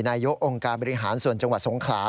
นายกองค์การบริหารส่วนจังหวัดสงขลา